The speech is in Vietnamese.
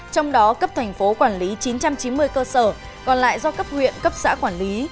trong đó cấp thành phố quản lý chín trăm chín mươi cơ sở còn lại do cấp huyện cấp xã quản lý